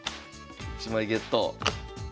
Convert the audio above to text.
１枚ゲット。